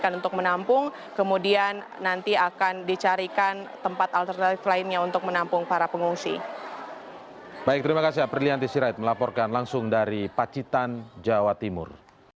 dan sampai saat ini bpbd bersama dengan relawan dan juga pemerintah bekerjasama untuk terus memanfaatkan